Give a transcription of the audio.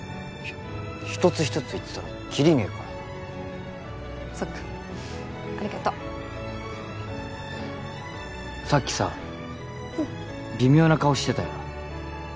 一つ一つ言ってたらキリねえからそっかありがとうさっきさ微妙な顔してたよな